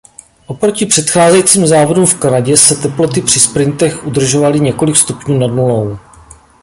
Oproti předcházejícím závodům v Kanadě se teploty při sprintech udržovaly několik stupňů nad nulou.